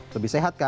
lebih sehat kan